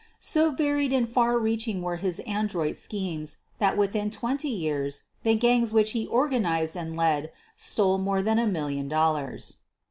So varied and far reaching were his adroit schemes that with in twenty years the gangs which he organized and led stole more than a million dollars.